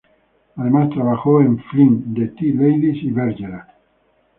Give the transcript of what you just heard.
Además trabajó en "Flint", "The Tea Ladies" y "Bergerac".